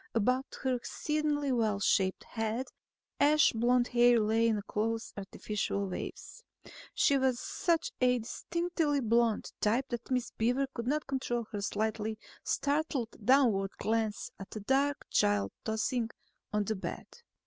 About her exceedingly well shaped head ash blonde hair lay in close artificial waves. She was such a distinctively blonde type that Miss Beaver could not control her slightly startled downward glance at the dark child tossing on the bed.